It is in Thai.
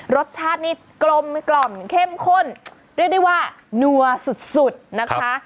รสชาตินี่กลมกล่อมเข้มข้นเรียกได้ว่านัวสุดนะคะ